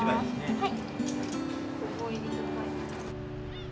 はい。